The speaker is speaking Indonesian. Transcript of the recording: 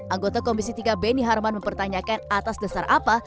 anggota komisi tiga beni harman mempertanyakan atas dasar apa